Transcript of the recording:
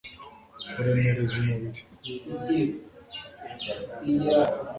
kuremereza umubiri